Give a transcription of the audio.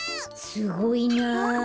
すごいなあ。